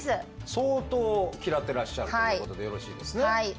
相当嫌ってらっしゃるということでよろしいですね？